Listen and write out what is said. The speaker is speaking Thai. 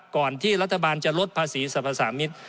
ก่อนที่รัฐบาลจะลดภาษีสรรพสามิตร